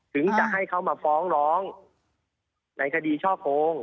ถึงจะให้เขามาฟ้องร้องในคดีช่อโกง